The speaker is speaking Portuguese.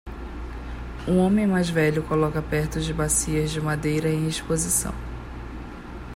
Um homem mais velho coloca perto de bacias de madeira em exposição.